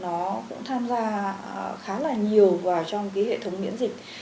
nó cũng tham gia khá là nhiều vào trong cái hệ thống miễn dịch